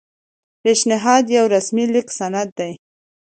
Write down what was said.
پیشنهاد یو رسمي لیکلی سند دی.